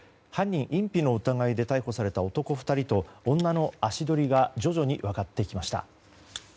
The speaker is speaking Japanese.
犯人隠避の疑いで逮捕された男２人と女の足取りが徐々に分かってきました。